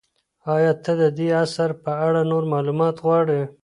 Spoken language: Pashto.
ایا ته د دې اثر په اړه نور معلومات غواړې؟